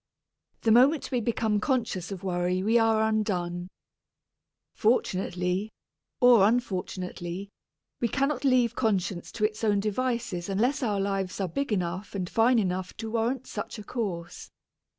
The moment we become conscious of worry we are undone. Fortunately, or unfortunately, we cannot leave conscience to its own devices unless our lives are big enough and fine enough to warrant such a course.